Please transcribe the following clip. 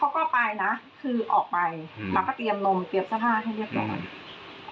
แล้วเขาก็ไปนะคือออกไปมาก็เตรียมนมเตรียมสภาคให้เรียบร้อย